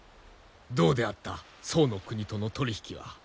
どうであった宋の国との取り引きは？